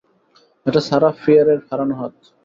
এটা সারাহ ফিয়ারের হারানো হাত।